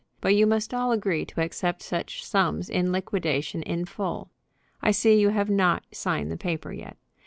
But you must all agree to accept such sums in liquidation in full. I see you have not signed the paper yet.